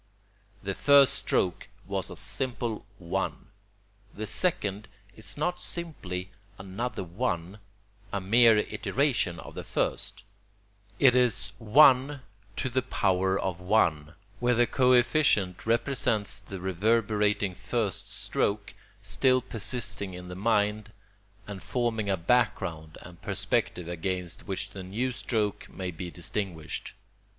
The first stroke was a simple 1. The second is not simply another 1, a mere iteration of the first. It is 1^, where the coefficient represents the reverberating first stroke, still persisting in the mind, and forming a background and perspective against which the new stroke may be distinguished.